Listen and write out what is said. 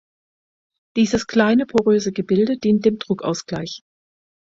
Dieses kleine, poröse Gebilde dient dem Druckausgleich.